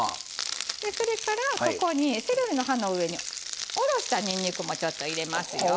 それからそこにセロリの葉の上におろしたにんにくもちょっと入れますよ。